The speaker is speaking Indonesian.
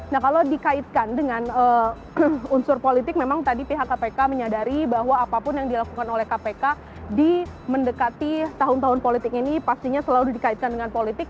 nah kalau dikaitkan dengan unsur politik memang tadi pihak kpk menyadari bahwa apapun yang dilakukan oleh kpk di mendekati tahun tahun politik ini pastinya selalu dikaitkan dengan politik